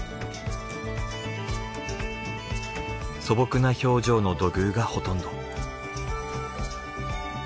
素朴な表情の土偶がほとんど。